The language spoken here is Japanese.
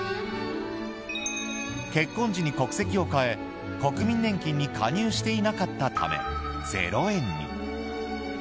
結婚時に国籍を変え国民年金に加入していなかったため０円に。